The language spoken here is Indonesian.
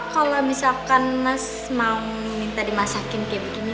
kalau misalkan mas mau minta dimasakin kayak begini